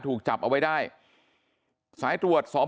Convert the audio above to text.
สุดท้ายเนี่ยขี่รถหน้าที่ก็ไม่ยอมหยุดนะฮะ